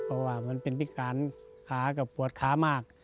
เพราะว่ามันเป็นพิการขากับปวดขามาก